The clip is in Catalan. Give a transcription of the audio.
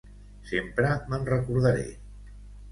Sempre me'n recordaré.